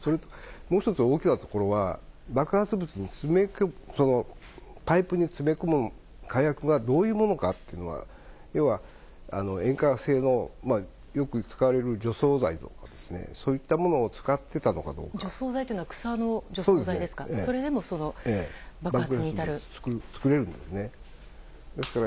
もう一つ大きなところは、爆発物のパイプに詰め込む火薬がどういうものかっていうのは、要は塩化性のよく使われる除草剤とか、そういったものを使ってた除草剤というのは草の除草剤ですか？